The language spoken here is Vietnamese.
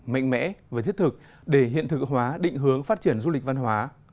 mạnh mẽ và thiết thực để hiện thực hóa định hướng phát triển du lịch văn hóa